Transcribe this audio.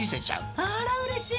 あらうれしい。